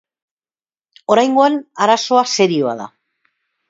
Oraingoan arazoa serioa da.